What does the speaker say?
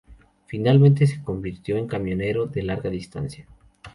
Finalmente, se convirtió en camionero de larga distancia.